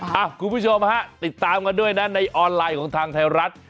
คุณผู้ชมฮะติดตามกันด้วยนะในออนไลน์ของทางไทยรัฐ